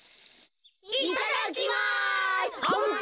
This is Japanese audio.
いただきます。